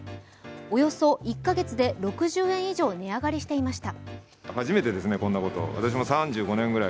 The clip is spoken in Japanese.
およそ１か月で６０円以上値上がりしていました。